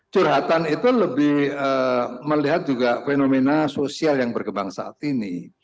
curhatan itu lebih melihat juga fenomena sosial yang berkembang saat ini